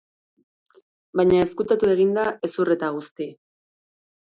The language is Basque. Baina ezkutatu egin da hezur eta guzti.